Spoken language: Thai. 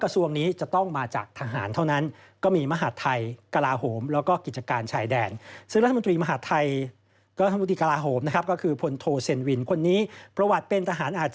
ส่วนอีกคนหนึ่งก็คือพนโตเยอง